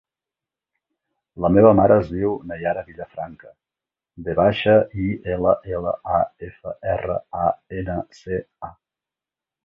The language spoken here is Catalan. La meva mare es diu Nayara Villafranca: ve baixa, i, ela, ela, a, efa, erra, a, ena, ce, a.